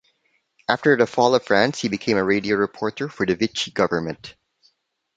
After the fall of France he became a radio reporter for the Vichy government.